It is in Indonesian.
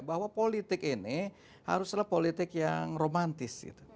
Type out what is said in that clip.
bahwa politik ini haruslah politik yang romantis